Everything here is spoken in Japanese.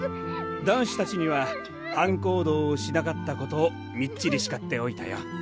男子たちには班行動をしなかったことをみっちりしかっておいたよ。